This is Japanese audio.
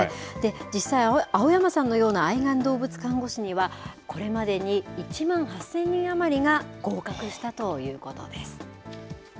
実際、青山さんのような愛玩動物看護士には、これまでに１万８０００人余りが合格したということです。